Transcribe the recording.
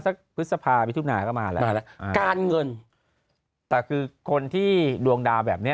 สักพฤษภาพิทุนาก็มาแล้วการเงินแต่คือคนที่ดวงดาวแบบนี้